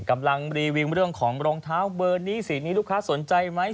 กำลังรีวิวเรื่องของรองเท้าเบอร์นี้สีนี้ลูกค้าสนใจไหม